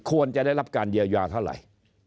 ควรจะได้รับการเยียวยาเท่าไหร่